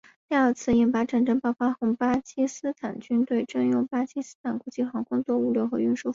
第二次印巴战争爆发后巴基斯坦军队征用巴基斯坦国际航空做货流和运输服务。